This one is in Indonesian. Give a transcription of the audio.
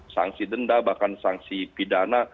sanksi denda bahkan sanksi pidana